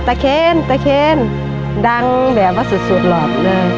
เคนตะเคนดังแบบว่าสุดหลอกเลย